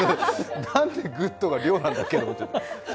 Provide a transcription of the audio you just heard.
なんでグッドが良なんだっけって。